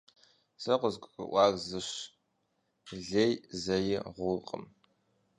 Сэ къызгурыӀуар зыщ: лейр зэи гъуркъым.